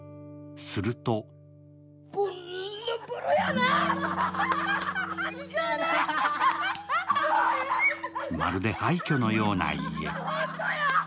するとまるで廃虚のような家。